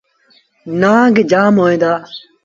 نآنگ جآم هوئين دآ۔